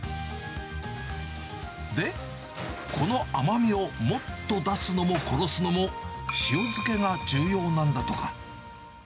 で、この甘みをもっと出すのも殺すのも、塩漬けが重要なんだとか。